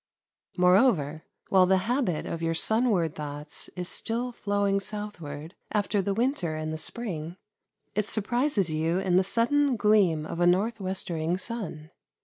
Moreover, while the habit of your sunward thoughts is still flowing southward, after the winter and the spring, it surprises you in the sudden gleam of a north westering sun.